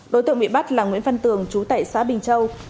đối tượng bị bắt là nguyễn văn tường chú tại xã bình châu